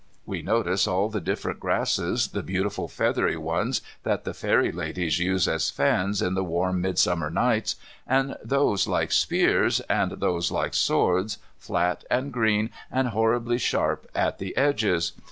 We notice all the different grasses, the beautiful feathery ones that the fairy ladies use as fans in the warm midsummer nights, and those like spears, and those like swords, flat and green and horribly sharp at the edges.